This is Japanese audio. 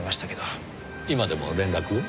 今でも連絡を？